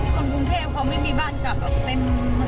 คนกรุงเทพเขาไม่มีบ้านกลับหรอกเป็น